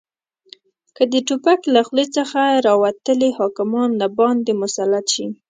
که د توپک له خولې څخه راوتلي حاکمان راباندې مسلط شي